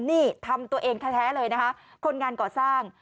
นี่ทำตัวเองแท้เลยนะคะคนงานก่อสร้าง